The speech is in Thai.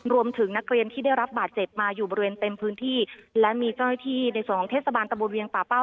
รวมถึงนักเรียนที่ได้รับบาดเจ็บมาอยู่บริเวณเต็มพื้นที่และมีเจ้าหน้าที่ในส่วนของเทศบาลตะบนเวียงป่าเป้า